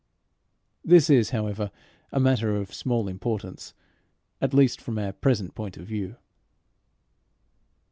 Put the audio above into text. This is, however, a matter of small importance at least from our present point of view.